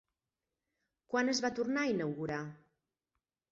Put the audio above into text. Quan es va tornar a inaugurar?